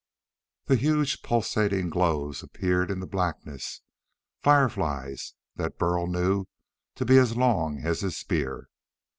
Then huge, pulsating glows appeared in the blackness: fireflies that Burl knew to be as long as his spear.